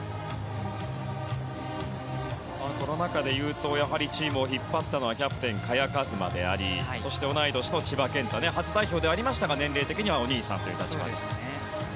この中でいうとやはりチームを引っ張ったのはキャプテン、萱和磨でありそして同い年の千葉健太初代表ではありましたが年齢的にはお兄さんという立場です。